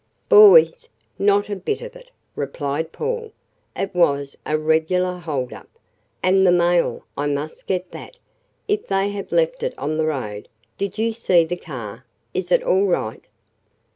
"Boys! Not a bit of it," replied Paul. "It was a regular hold up. And the mail! I must get that, if they have left it on the road. Did you see the car? Is it all right?"